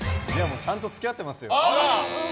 ちゃんと付き合ってますよ。